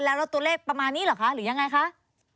แล้วตัวเลขประมาณนี้เหรอคะหรือยังไงคะ